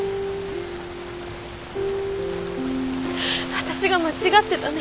私が間違ってたね。